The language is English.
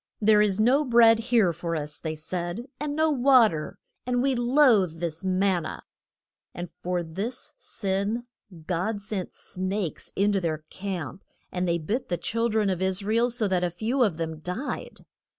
There is no bread here for us, they said, and no wa ter, and we loathe this man na. And for this sin God sent snakes in to their camp, and they bit the chil dren of Is ra el so that a few of them died.